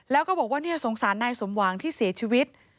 แล้วก็บอกว่าสงสารนายสมหวังที่เสียชีวิต